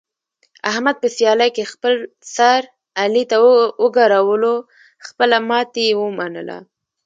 احمد په سیالۍ کې خپل سر علي ته وګرولو، خپله ماتې یې و منله.